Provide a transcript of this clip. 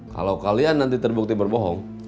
kalau kalian nanti terbukti berbohong